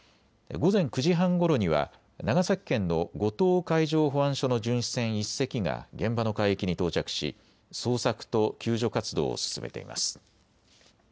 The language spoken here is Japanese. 午前９時半ごろには長崎県の五島海上保安署の巡視船１隻が現場の海域に到着し捜索と救助活動を進めています。